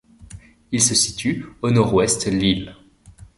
Il se situe au nord-ouest l'île.